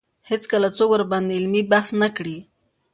هېڅکله څوک ورباندې علمي بحث نه کړي